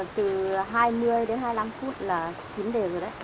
thì từ hai mươi đến hai mươi năm phút là chín đều rồi đấy